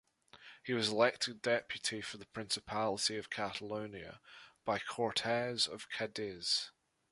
He was elected deputy for the Principality of Catalonia by the Cortes of Cadiz.